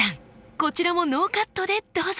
こちらもノーカットでどうぞ！